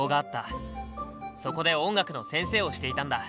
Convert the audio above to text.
そこで音楽の先生をしていたんだ。